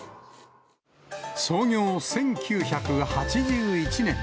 創業１９８１年。